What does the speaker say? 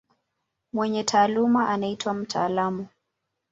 Mwenye taaluma anaitwa mtaalamu.